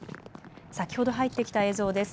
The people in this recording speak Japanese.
先ほど入ってきた映像です。